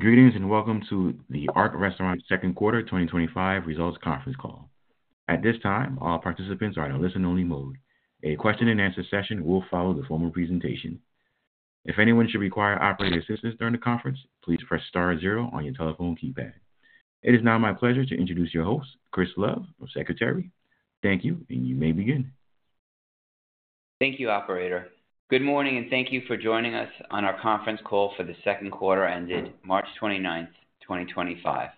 Greetings and welcome to the Ark Restaurants Second Quarter 2025 results conference call. At this time, all participants are in a listen-only mode. A question-and-answer session will follow the formal presentation. If anyone should require operator assistance during the conference, please press star zero on your telephone keypad. It is now my pleasure to introduce your host, Christopher Love, Secretary. Thank you, and you may begin. Thank you, Operator. Good morning, and thank you for joining us on our conference call for the second quarter ended March 29, 2025.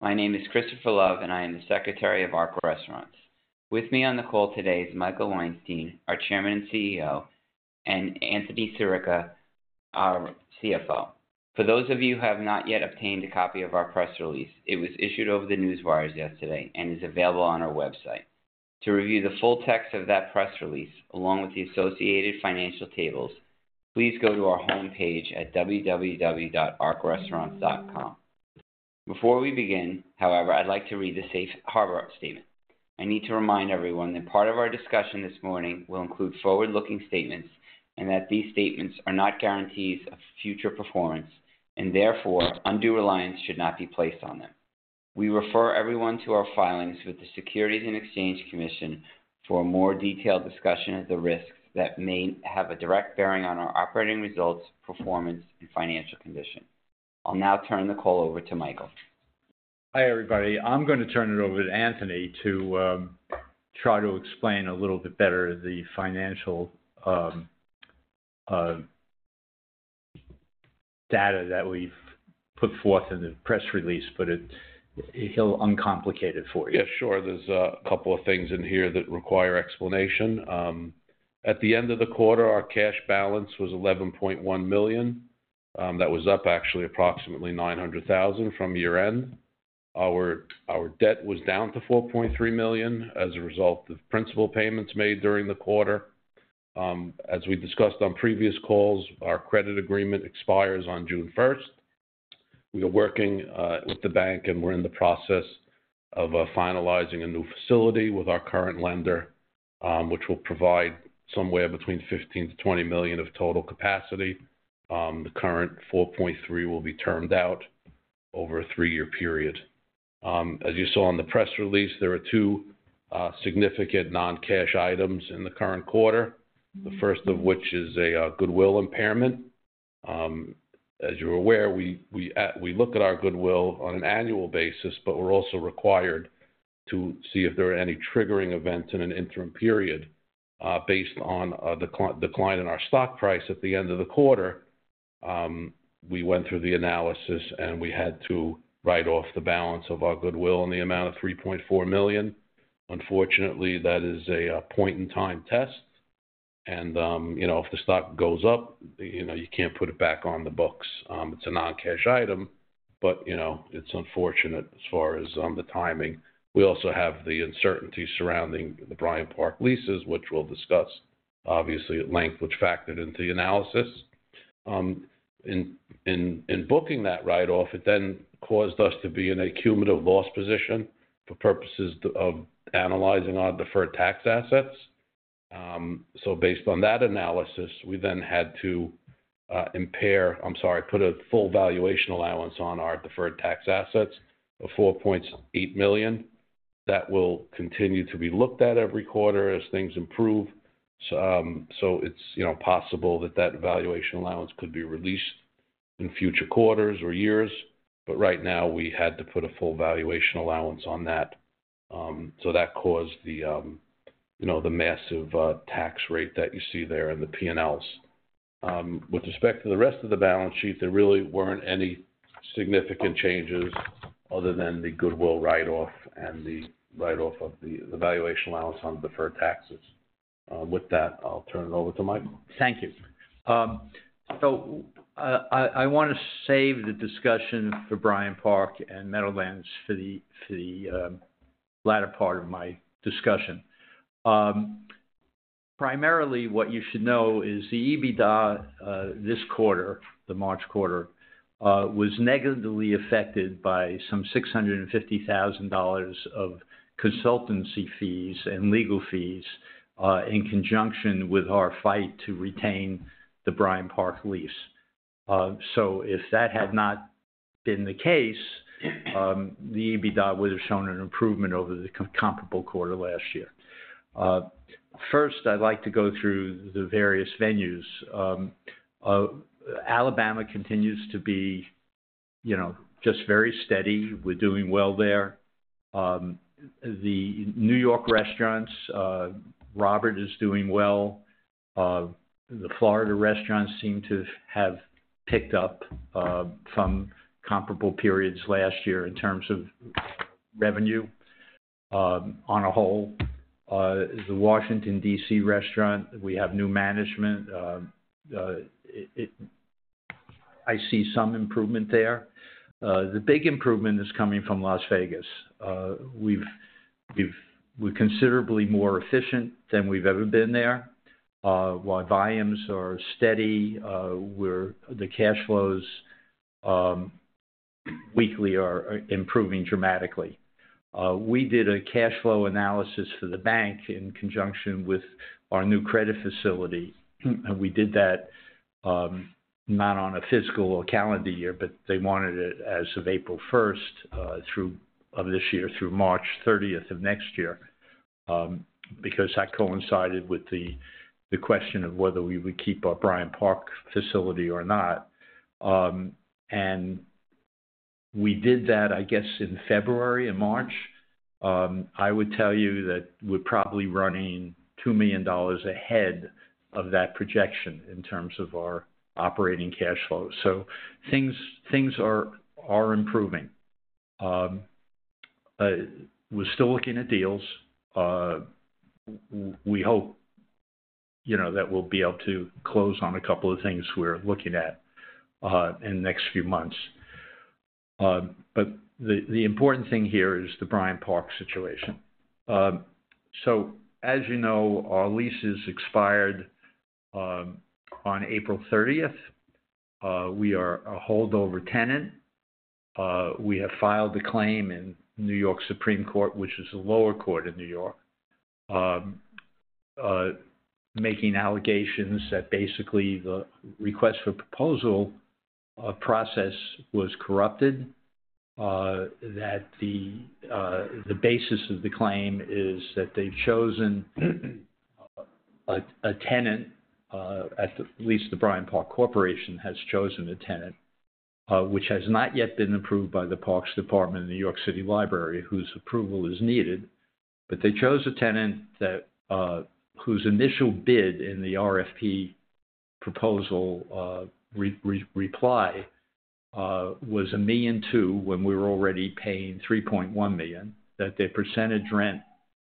My name is Christopher Love, and I am the Secretary of Ark Restaurants. With me on the call today is Michael Weinstein, our Chairman and CEO, and Anthony Sirica, our CFO. For those of you who have not yet obtained a copy of our press release, it was issued over the news wires yesterday and is available on our website. To review the full text of that press release, along with the associated financial tables, please go to our home page at www.arkrestaurants.com. Before we begin, however, I'd like to read the Safe Harbor Statement. I need to remind everyone that part of our discussion this morning will include forward-looking statements and that these statements are not guarantees of future performance and, therefore, undue reliance should not be placed on them. We refer everyone to our filings with the Securities and Exchange Commission for a more detailed discussion of the risks that may have a direct bearing on our operating results, performance, and financial condition. I'll now turn the call over to Michael. Hi, everybody. I'm going to turn it over to Anthony to try to explain a little bit better the financial data that we've put forth in the press release, but he'll uncomplicate it for you. Yeah, sure. There's a couple of things in here that require explanation. At the end of the quarter, our cash balance was $11.1 million. That was up, actually, approximately $900,000 from year-end. Our debt was down to $4.3 million as a result of principal payments made during the quarter. As we discussed on previous calls, our credit agreement expires on June 1, 2025. We are working with the bank, and we're in the process of finalizing a new facility with our current lender, which will provide somewhere between $15 million-$20 million of total capacity. The current $4.3 million will be termed out over a three-year period. As you saw in the press release, there are two significant non-cash items in the current quarter, the first of which is a goodwill impairment. As you're aware, we look at our goodwill on an annual basis, but we're also required to see if there are any triggering events in an interim period. Based on the decline in our stock price at the end of the quarter, we went through the analysis, and we had to write off the balance of our goodwill in the amount of $3.4 million. Unfortunately, that is a point-in-time test, and if the stock goes up, you can't put it back on the books. It's a non-cash item, but it's unfortunate as far as the timing. We also have the uncertainty surrounding the Bryant Park leases, which we'll discuss, obviously, at length, which factored into the analysis. In booking that write-off, it then caused us to be in a cumulative loss position for purposes of analyzing our deferred tax assets. Based on that analysis, we then had to impair—I'm sorry, put a full valuation allowance on our deferred tax assets of $4.8 million. That will continue to be looked at every quarter as things improve. It's possible that that valuation allowance could be released in future quarters or years, but right now, we had to put a full valuation allowance on that. That caused the massive tax rate that you see there in the P&Ls. With respect to the rest of the balance sheet, there really weren't any significant changes other than the goodwill write-off and the write-off of the valuation allowance on deferred taxes. With that, I'll turn it over to Michael. Thank you. I want to save the discussion for Bryant Park and Meadowlands for the latter part of my discussion. Primarily, what you should know is the EBITDA this quarter, the March quarter, was negatively affected by some $650,000 of consultancy fees and legal fees in conjunction with our fight to retain the Bryant Park lease. If that had not been the case, the EBITDA would have shown an improvement over the comparable quarter last year. First, I'd like to go through the various venues. Alabama continues to be just very steady. We're doing well there. The New York restaurants, Robert is doing well. The Florida restaurants seem to have picked up from comparable periods last year in terms of revenue on a whole. The Washington, D.C. restaurant, we have new management. I see some improvement there. The big improvement is coming from Las Vegas. We're considerably more efficient than we've ever been there. While volumes are steady, the cash flows weekly are improving dramatically. We did a cash flow analysis for the bank in conjunction with our new credit facility. We did that not on a fiscal or calendar year, but they wanted it as of April 1 of this year, through March 30th of next year, because that coincided with the question of whether we would keep our Bryant Park facility or not. We did that, I guess, in February and March. I would tell you that we're probably running $2 million ahead of that projection in terms of our operating cash flow. Things are improving. We're still looking at deals. We hope that we'll be able to close on a couple of things we're looking at in the next few months. The important thing here is the Bryant Park situation. As you know, our lease has expired on April 30. We are a holdover tenant. We have filed a claim in New York Supreme Court, which is a lower court in New York, making allegations that basically the request for proposal process was corrupted, that the basis of the claim is that they've chosen a tenant, at least the Bryant Park Corporation has chosen a tenant, which has not yet been approved by the Parks Department in New York City Library, whose approval is needed. They chose a tenant whose initial bid in the RFP proposal reply was $1.2 million when we were already paying $3.1 million, that their percentage rent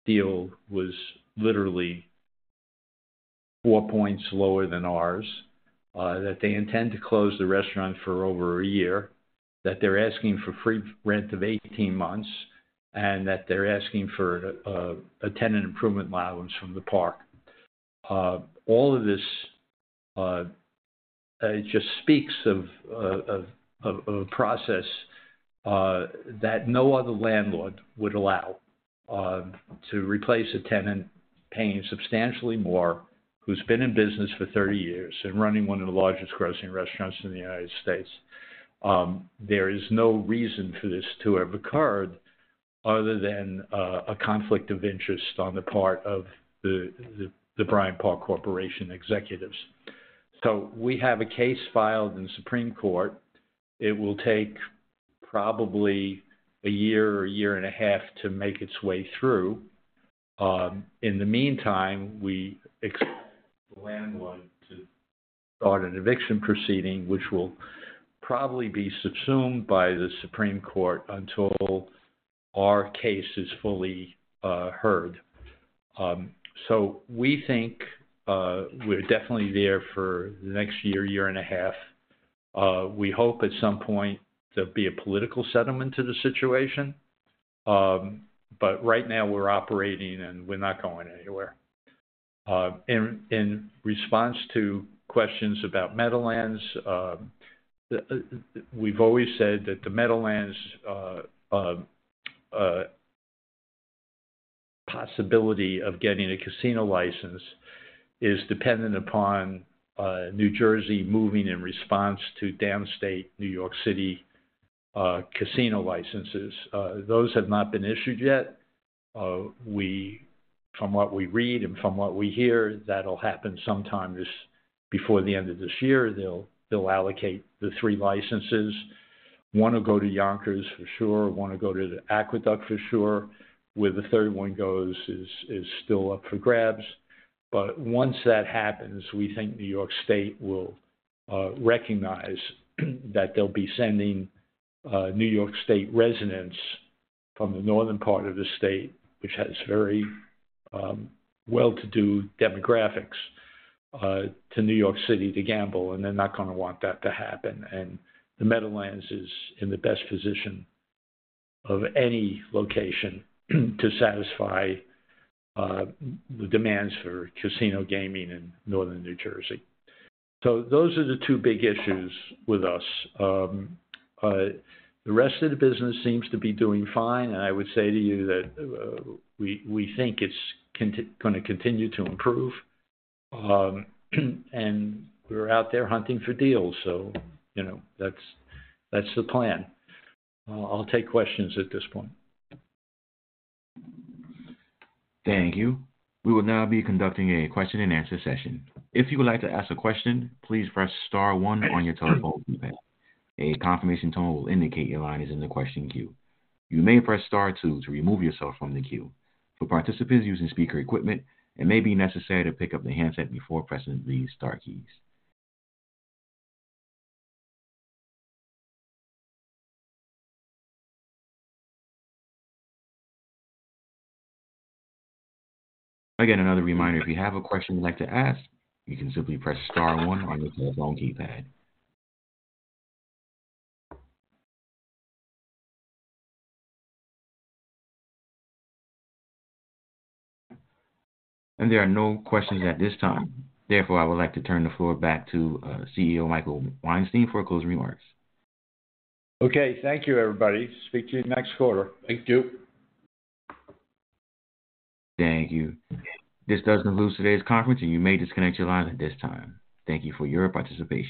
deal was literally four percentage points lower than ours, that they intend to close the restaurant for over a year, that they're asking for free rent of 18 months, and that they're asking for a tenant improvement allowance from the park. All of this just speaks of a process that no other landlord would allow to replace a tenant paying substantially more, who's been in business for 30 years and running one of the largest grocery restaurants in the United States. There is no reason for this to have occurred other than a conflict of interest on the part of the Bryant Park Corporation executives. We have a case filed in the Supreme Court. It will take probably a year or a year and a half to make its way through. In the meantime, we expect the landlord to start an eviction proceeding, which will probably be subsumed by the Supreme Court until our case is fully heard. We think we're definitely there for the next year, year and a half. We hope at some point there'll be a political settlement to the situation. Right now, we're operating, and we're not going anywhere. In response to questions about Meadowlands, we've always said that the Meadowlands possibility of getting a casino license is dependent upon New Jersey moving in response to downstate New York City casino licenses. Those have not been issued yet. From what we read and from what we hear, that'll happen sometime before the end of this year. They'll allocate the three licenses. One will go to Yonkers, for sure. One will go to Aqueduct, for sure. Where the third one goes is still up for grabs. Once that happens, we think New York State will recognize that they'll be sending New York State residents from the northern part of the state, which has very well-to-do demographics, to New York City to gamble, and they're not going to want that to happen. The Meadowlands is in the best position of any location to satisfy the demands for casino gaming in northern New Jersey. Those are the two big issues with us. The rest of the business seems to be doing fine, and I would say to you that we think it's going to continue to improve. We're out there hunting for deals, so that's the plan. I'll take questions at this point. Thank you. We will now be conducting a question-and-answer session. If you would like to ask a question, please press Star one on your telephone keypad. A confirmation tone will indicate your line is in the question queue. You may press Star two to remove yourself from the queue. For participants using speaker equipment, it may be necessary to pick up the handset before pressing the Star keys. Again, another reminder, if you have a question you'd like to ask, you can simply press Star one on your telephone keypad. There are no questions at this time. Therefore, I would like to turn the floor back to CEO Michael Weinstein for closing remarks. Okay. Thank you, everybody. Speak to you next quarter. Thank you. Thank you. This does conclude today's conference, and you may disconnect your line at this time. Thank you for your participation.